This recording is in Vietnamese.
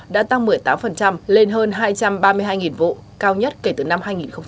đã tăng một mươi tám lên hơn hai trăm ba mươi hai vụ cao nhất kể từ năm hai nghìn một mươi tám